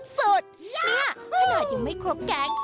เนี่ยถ้าหากยังไม่ครบแก๊ง